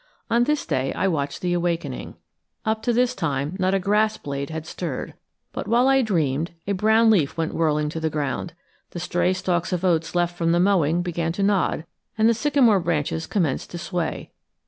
On this day I watched the awakening. Up to this time not a grass blade had stirred, but while I dreamed a brown leaf went whirling to the ground, the stray stalks of oats left from the mowing began to nod, and the sycamore branches commenced to sway.